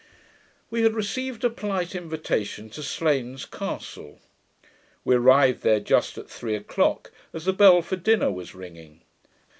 We had received a polite invitation to Slains castle. We arrived there just at three o'clock, as the bell for dinner was ringing.